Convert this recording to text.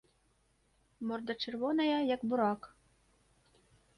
Морда чырвоная, як бурак.